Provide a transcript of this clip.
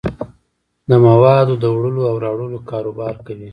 د موادو دوړلو او راوړلو کاروبار کوي.